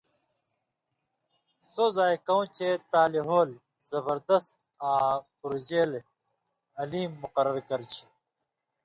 (سو زائ کؤں چے) تالی ہولے (زبردست) آں پورژېلے (علیم) مقرر کرچھی۔